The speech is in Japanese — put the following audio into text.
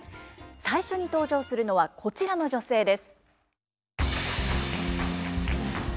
最初に登場するのはこちらの女性です。